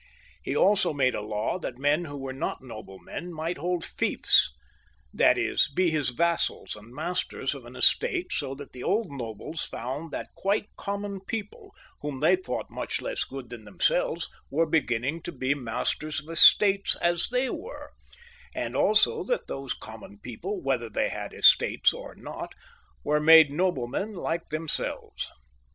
He also made a law that men who were not noblemen might hold fiefs — ^that is, be his vassals and masters of an estate — so the old nobles found that quite common people, whom I I I 124 PHILIP IIL {LE HARDI\ [CH. they thought much less good than themselves, were begin ning to be masters of estates as they were, and also that these common people, whether they had estates or not, were made noblemen like themselves.